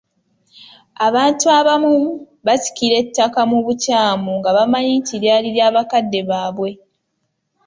Abantu abamu basikira ettaka mu bukyamu nga bamanyi nti lyali lya bakadde baabwe.